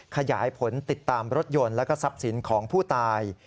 ขยายผลติดตามรถยนต์แล้วก็ทรัพย์สินของผู้ตาย